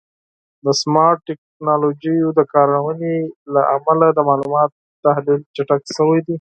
د سمارټ ټکنالوژیو د کارونې له امله د معلوماتو تحلیل چټک شوی دی.